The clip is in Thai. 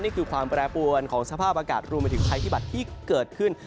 นี่คือความแปรปวนของสภาพอากาศรูมเมติไพรธิบัตรที่เกิดขึ้น